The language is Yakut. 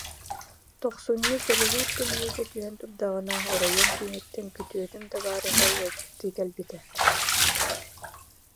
Тохсунньу торулуур тымныыта түһэн турдаҕына оройуон кииниттэн күтүөтүм табаарыһа ыалдьыттыы кэлбитэ